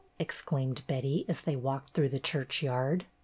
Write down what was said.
ex claimed Betty as they walked through the churchyard.